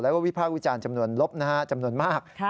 และวิภาควิจารณ์จำนวนลบจำนวนมาก